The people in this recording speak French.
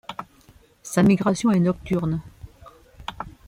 Sa migration est nocturne.